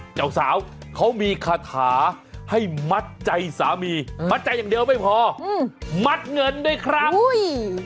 เจ้าสาวเขามีคาถาให้มัดใจสามีมัดใจอย่างเดียวไม่พออืมมัดเงินด้วยครับอุ้ย